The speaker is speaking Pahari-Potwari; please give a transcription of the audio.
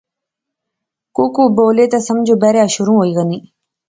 کُکو بولے تے سمجھو بریا شروع ہوئی غَئی